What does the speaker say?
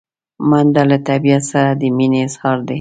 منډه له طبیعت سره د مینې اظهار دی